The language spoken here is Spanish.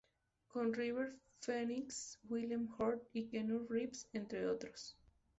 Con River Phoenix, William Hurt y Keanu Reeves, entre otros.